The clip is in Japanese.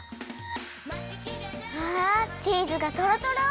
わあチーズがとろとろ！